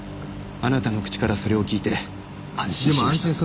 あなたの口からそれを聞いて安心しました。